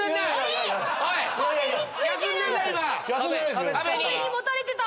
壁にもたれてた！